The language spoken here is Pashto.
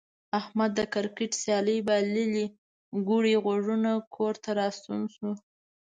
احمد د کرکټ سیالي بایللې کوړی غوږونه کور ته راستون شو.